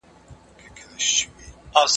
د هري پيغلي بد راځي